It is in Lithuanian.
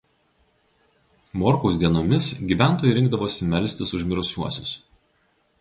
Morkaus dienomis gyventojai rinkdavosi melstis už mirusiuosius.